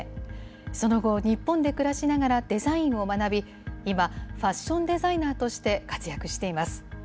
その後、日本で暮らしながらデザインを学び、今、ファッションデザイナーとして活躍しています。